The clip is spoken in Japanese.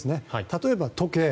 例えば時計